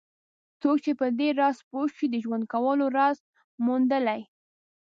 څوک چې په دې راز پوه شي د ژوند کولو راز موندلی.